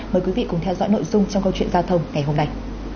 mời quý vị cùng theo dõi nội dung trong câu chuyện giao thông ngày hôm nay